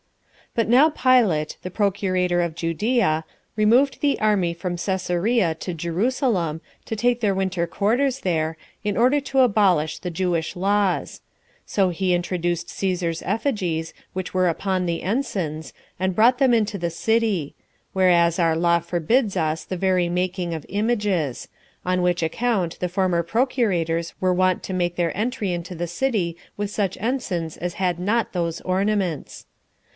1. But now Pilate, the procurator of Judea, removed the army from Cæsarea to Jerusalem, to take their winter quarters there, in order to abolish the Jewish laws. So he introduced Cæsar's effigies, which were upon the ensigns, and brought them into the city; whereas our law forbids us the very making of images; on which account the former procurators were wont to make their entry into the city with such ensigns as had not those ornaments.